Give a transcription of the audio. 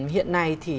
hiện nay thì